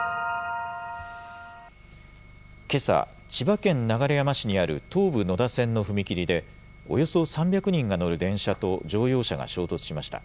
けさ、千葉県流山市にある東武野田線の踏切で、およそ３００人が乗る電車と乗用車が衝突しました。